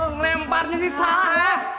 ngelemparnya sih salah